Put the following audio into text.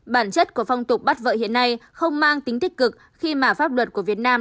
bản chất của phong tục bắt vợ hiện nay không mang tính tích cực khi mà pháp luật của việt nam